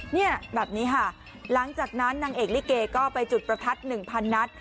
เนี่ยแบบนี้ค่ะหลังจากนั้นนางเอกลิเกก็ไปจุดประทัด๑๐๐นัด